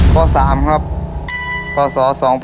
ตัวเลือกที่๓พอสอ๒๕๓๗